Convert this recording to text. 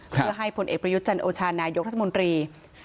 เพื่อให้ผลเอกประยุทธ์จันโอชานายกรัฐมนตรี